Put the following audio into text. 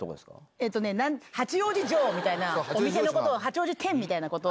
えっとね、八王子じょうみたいな、お店のことを八王子店みたいなことを。